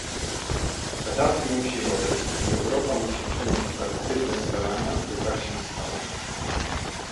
Kaddafi musi odejść i Europa musi czynić aktywne starania, by tak się stało